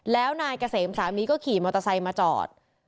แล้วนายเกษมสามีก็ขี่มอเตอร์ไซค์มาจอด